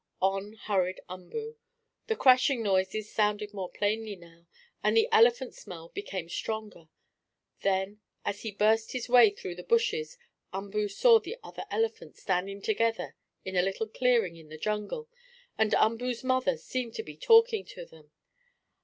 On hurried Umboo. The crashing noises sounded more plainly now, and the elephant smell became stronger. Then, as he burst his way through the bushes, Umboo saw the other elephants standing together in a little clearing in the jungle, and Umboo's mother seemed to be talking to them.